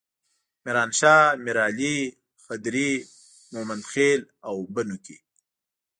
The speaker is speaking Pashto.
میرانشاه، میرعلي، خدري، ممندخیل او بنو کې.